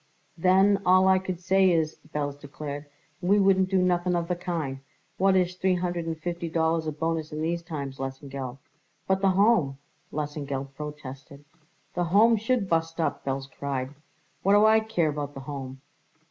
"Then all I could say is," Belz declared, "we wouldn't do nothing of the kind. What is three =hundred and fifty dollars a bonus in these times, Lesengeld?" "But the Home," Lesengeld protested. "The Home should bust up," Belz cried. "What do I care about the Home?"